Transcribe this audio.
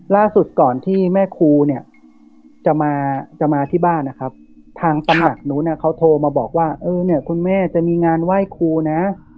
ล่าสุดก่อนที่แม่ครูเนี่ยจะมาจะมาที่บ้านนะครับทางตำหนักนู้นเขาโทรมาบอกว่าเออเนี่ยคุณแม่จะมีงานไหว้ครูนะ